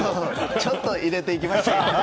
ちょっと入れていきました。